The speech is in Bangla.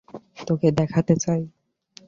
তোকে দেখাতে চাই।